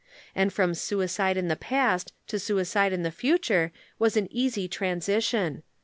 And from suicide in the past to suicide in the future was an easy transition.